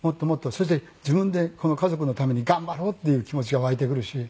そして自分で家族のために頑張ろうっていう気持ちが湧いてくるし。